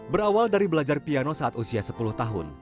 berawal dari belajar piano saat usia sepuluh tahun